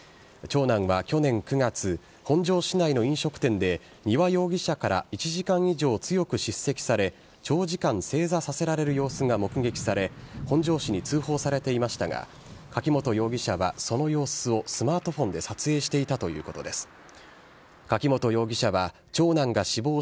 長男は去年９月、本庄市内の飲食店で、丹羽容疑者から１時間以上強く叱責され、長時間正座させられる様子が目撃され、本庄市に通報されていましたが、柿本容疑者はその様子をスマートフォンで撮影していたということです。